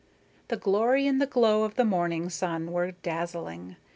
The glory and the glow of the morning sun were dazzling.